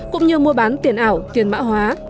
cũng như mua bán tiền ảo tiền mã hóa